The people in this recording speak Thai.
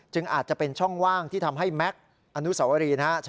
อาจจะเป็นช่องว่างที่ทำให้แม็กซ์อนุสวรีนะฮะ